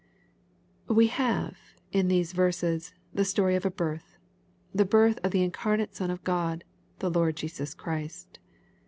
We have, in these verses, the story of a birth, — ^the birth of the incarnate Son of God, the Lord Jesas Christ.